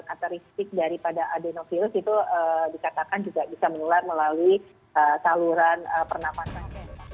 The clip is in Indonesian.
karakteristik daripada adenovirus itu dikatakan juga bisa menular melalui saluran pernafasan